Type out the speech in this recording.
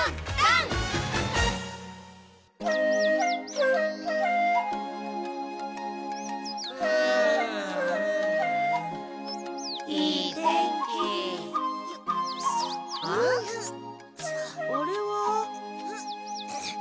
ん？あれは。